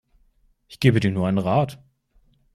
Ich gebe dir nur einen Rat.